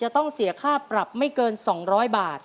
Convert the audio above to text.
จะต้องเสียค่าปรับไม่เกิน๒๐๐บาท